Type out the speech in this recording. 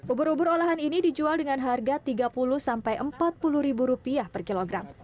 ubur ubur olahan ini dijual dengan harga rp tiga puluh sampai rp empat puluh per kilogram